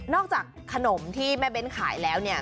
จากขนมที่แม่เบ้นขายแล้วเนี่ย